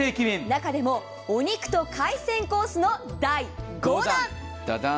中でもお肉と海鮮コースの第５弾。